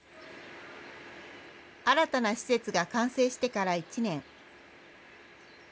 新たな施設が完成してから１年。